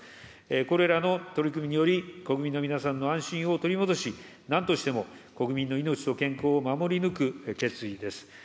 これらの取り組みにより、国民の皆さんの安心を取り戻し、なんとしても国民の命と健康を守り抜く決意です。